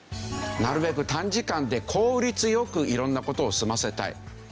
なるべく短時間で効率よく色んな事を済ませたい。